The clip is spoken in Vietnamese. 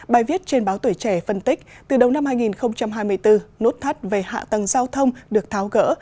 bài viết trên báo tuổi trẻ phân tích từ đầu năm hai nghìn hai mươi bốn nút thắt về hạ tầng giao thông được tháo gỡ